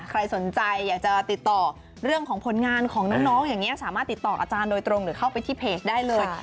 ใครสนใจอยากจะติดต่อเรื่องของผลงานของน้องอย่างนี้สามารถติดต่ออาจารย์โดยตรงหรือเข้าไปที่เพจได้เลย